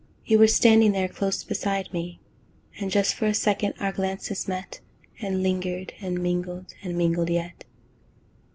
you were standing there close beside me, And just for a second our glances met, And lingered, and mingled, and mingled yet.